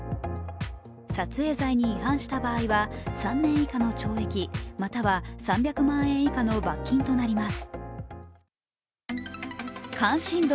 撮影罪に違反した場合は３年以下の懲役、または３００万円以下の罰金となります。